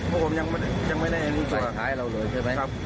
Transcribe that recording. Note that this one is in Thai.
พวกผมยังไม่ได้ยังไม่ได้รู้ตัวไฟขายเราเลยใช่ไหมครับ